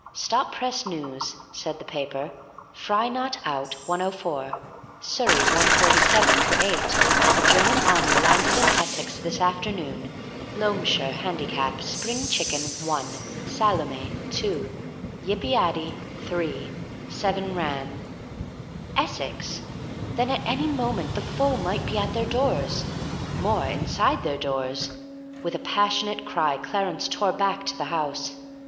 "Stop press news," said the paper. "Fry not out, 104. Surrey 147 for 8. A German army landed in Essex this afternoon. Loamshire Handicap: Spring Chicken, 1; Salome, 2; Yip i addy, 3. Seven ran." Essex! Then at any moment the foe might be at their doors; more, inside their doors. With a passionate cry, Clarence tore back to the house.